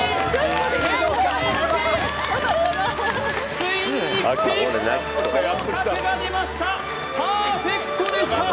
天下一品ついに一品合格が出ましたパーフェクトでした！